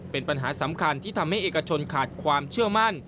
เป็นปัญหาสำคัญที่ทำให้เอกชนขาดความเชื่อมั่น